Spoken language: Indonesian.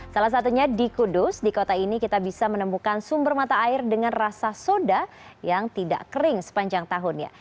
salah satunya di kudus di kota ini kita bisa menemukan sumber mata air dengan rasa soda yang tidak kering sepanjang tahunnya